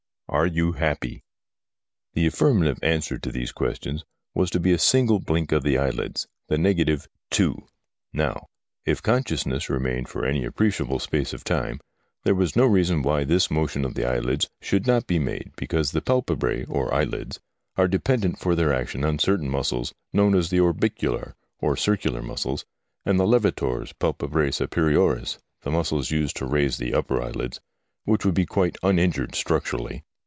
Are you happy ? The affirmative answer to these questions was to be a single blink of the eyelids, the negative two. Now, if consciousness remained for any appreciable space of time, there was no reason why this motion of the eyelids should not be made, because the palpebrce or eyelids are dependent for their action on certain muscles known as the orbicular or circular muscles and the levators, palpebrce, superiores, the muscles used to raise the upper eyelids, which would be quite uninjured structurally.